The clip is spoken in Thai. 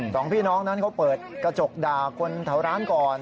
สองพี่น้องนั้นเขาเปิดกระจกด่าคนแถวร้านก่อน